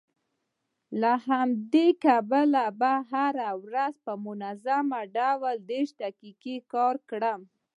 د همدې لپاره به زه هره ورځ په منظم ډول دېرش دقيقې کار وکړم.